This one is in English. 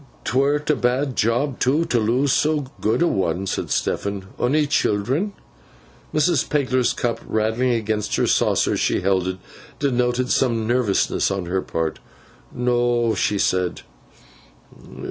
''Twere a bad job, too, to lose so good a one,' said Stephen. 'Onny children?' Mrs. Pegler's cup, rattling against her saucer as she held it, denoted some nervousness on her part. 'No,' she said.